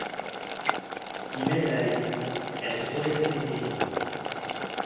Si même elle avait pu, elle se serait fait désirer.